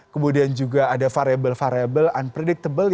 kemudian juga ada variabel variabel yang tidak terpaksa